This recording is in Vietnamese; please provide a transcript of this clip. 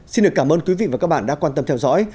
xin được cảm ơn quý vị và các bạn đã quan tâm theo dõi